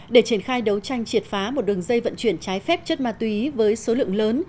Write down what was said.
để triển khai đấu tranh triệt phá một đường dây vận chuyển trái phép chất ma túy với số lượng lớn